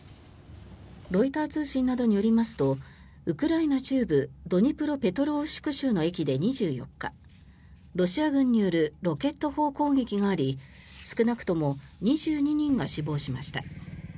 ロイター通信などによりますとウクライナ中部ドニプロペトロウシク州の駅で２４日、ロシア軍によるロケット砲攻撃があり少なくとも２２人が死亡しました。